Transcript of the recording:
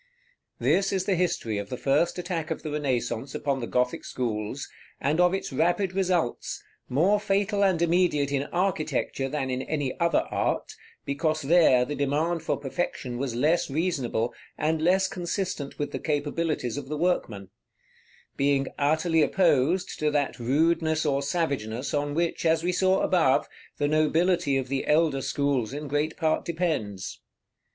This is the history of the first attack of the Renaissance upon the Gothic schools, and of its rapid results, more fatal and immediate in architecture than in any other art, because there the demand for perfection was less reasonable, and less consistent with the capabilities of the workman; being utterly opposed to that rudeness or savageness on which, as we saw above, the nobility of the elder schools in great part depends.